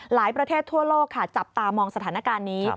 ประเทศทั่วโลกค่ะจับตามองสถานการณ์นี้